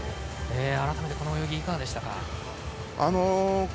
改めて、この泳ぎいかがでしたか？